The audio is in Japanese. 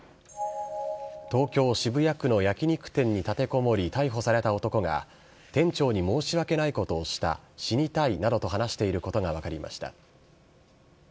東京・渋谷区の焼き肉店に立てこもり、逮捕された男が、店長に申し訳ないことをした、死にたいなどと話していることが分かりました。